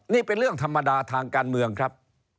นี่เป็นเรื่องธรรมดาทางการเมืองครับ